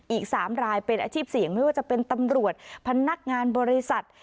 อีก๓รายเป็นอาชีพเสี่ยงไม่ว่าจะเป็นตำรวจพนักงานบริษัท